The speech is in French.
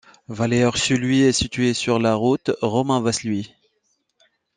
Valea Ursului est située sur la route Roman-Vaslui.